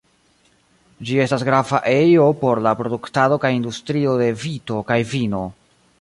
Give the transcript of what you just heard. Ĝi estas grava ejo por la produktado kaj industrio de vito kaj vino.